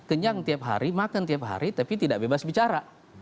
kenyang tiap hari makan tiap hari tapi tidak bebas bicara